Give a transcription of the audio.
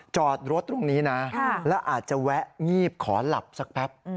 จอดรถตรงนี้นะแล้วอาจจะแวะงีบขอหลับสักแป๊บ